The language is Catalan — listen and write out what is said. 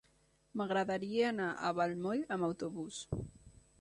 M'agradaria anar a Vallmoll amb autobús.